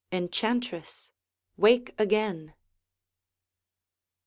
Enchantress, wake again!